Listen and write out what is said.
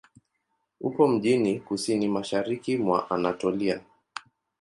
Upo mjini kusini-mashariki mwa Anatolia.